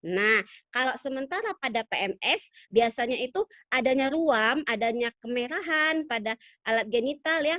nah kalau sementara pada pms biasanya itu adanya ruam adanya kemerahan pada alat genital ya